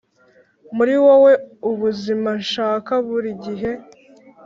muri wowe ubuzima nshaka burigihe.